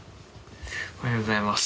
おはようございます。